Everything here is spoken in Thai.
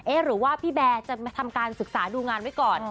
หรือว่าพี่แบร์จะมาทำการศึกษาดูงานไว้ก่อน